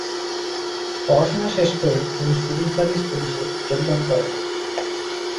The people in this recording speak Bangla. পড়াশোনা শেষ করে তিনি সিভিল সার্ভিস পুলিশে যোগদান করেন।